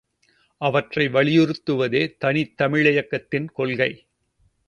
அவற்றை வலியுறுத்துவதே தனித்தமிழியக்கத்தின் கொள்கை.